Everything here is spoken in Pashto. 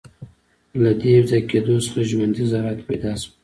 له دې یوځای کېدو څخه ژوندۍ ذرات پیدا شول.